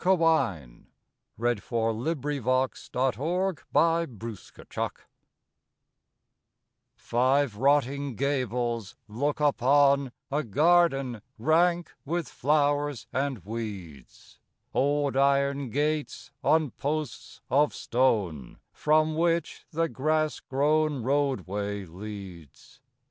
for the break of day!" THE OLD HOUSE BY THE MERE Five rotting gables look upon A garden rank with flowers and weeds; Old iron gates on posts of stone, From which the grass grown roadway leads.